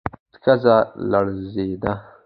ښځه لړزېده.